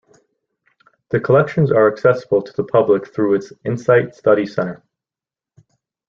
The collections are accessible to the public through its Insight study centre.